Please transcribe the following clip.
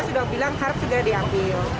dia sudah bilang harus segera diambil